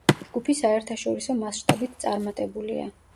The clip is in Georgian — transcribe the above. ჯგუფი საერთაშორისო მასშტაბით წარმატებულია.